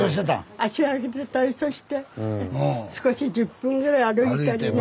足上げて体操して少し１０分ぐらい歩いたりね。